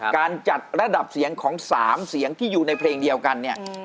การจัดระดับเสียงของ๓เสียงที่อยู่ในเพลงเดียวกันเนี่ย